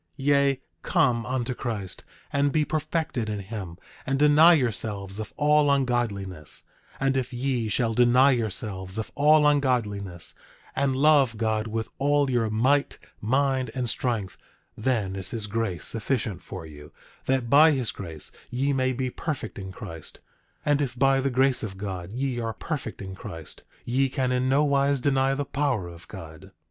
10:32 Yea, come unto Christ, and be perfected in him, and deny yourselves of all ungodliness; and if ye shall deny yourselves of all ungodliness and love God with all your might, mind and strength, then is his grace sufficient for you, that by his grace ye may be perfect in Christ; and if by the grace of God ye are perfect in Christ, ye can in nowise deny the power of God.